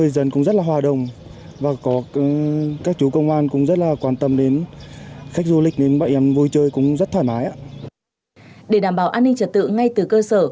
để đảm bảo an ninh trật tự ngay từ cơ sở